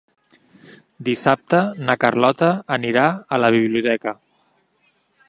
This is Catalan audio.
Dissabte na Carlota anirà a la biblioteca.